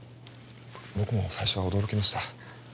僕も最初は驚きました